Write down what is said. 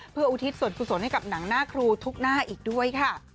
เพื่ออุทิศส่วนกุศลให้กับหนังหน้าครูทุกหน้าอีกด้วยค่ะ